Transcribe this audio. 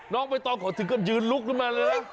น้องไปต้องขอถึงกันยืนลุกนึงมาเลย